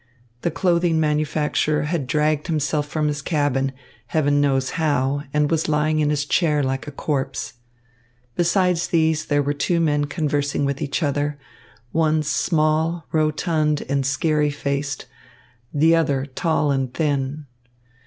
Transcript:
The clothing manufacturer had dragged himself from his cabin, heaven knows how, and was lying in his chair like a corpse. Besides these, there were two men conversing with each other, one small, rotund and scary faced, the other tall and thin.